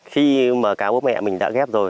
khi mà cá bố mẹ mình đã ghép rồi